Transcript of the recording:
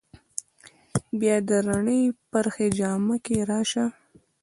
بیا د رڼې پرخې جامه کې راشه